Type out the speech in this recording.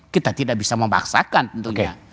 kita tidak bisa memaksakan tentunya